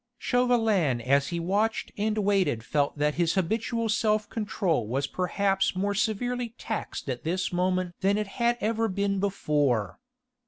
Chauvelin as he watched and waited felt that his habitual self control was perhaps more severely taxed at this moment than it had ever been before.